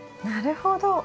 なるほど。